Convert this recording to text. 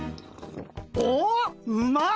おうまっ！